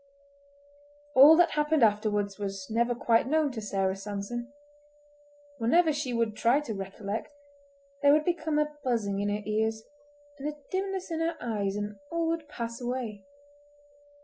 All that happened afterwards was never quite known to Sarah Sanson. Whenever she would try to recollect there would become a buzzing in her ears and a dimness in her eyes, and all would pass away.